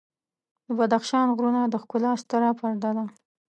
د بدخشان غرونه د ښکلا ستره پرده ده.